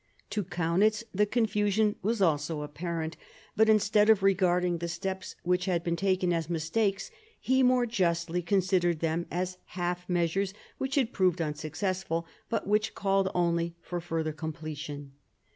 To Kaunitz the confusion was also apparent; but instead of regarding the steps which had been taken as mistakes, he more justly con sidered them as half measures which had proved un successful, but which called only for further completion.